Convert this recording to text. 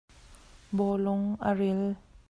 Bawlung a ril.